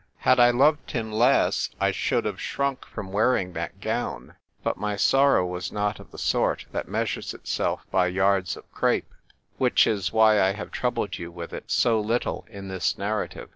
Had I loved him less I should have shrunk from wearing that gown ; but my sorrow was not of the sort that measures itself by yards of crape, which is why I have troubled you with it so little in this narrative.